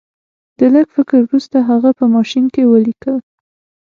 د لږ فکر وروسته هغه په ماشین کې ولیکل